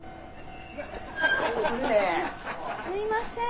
あっすいません。